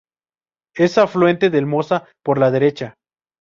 Es afluente del Mosa por la derecha.